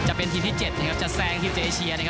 จะเป็นทีมที่๗นะครับจะแซงทีมจากเอเชียนะครับ